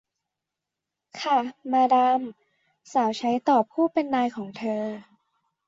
ค่ะ มาดาม สาวใช้ตอบผู้เป็นนายของเธอ